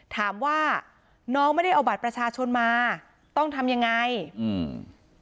ถามว่าน้องไม่ได้เอาบัตรประชาชนมาต้องทำยังไงอืม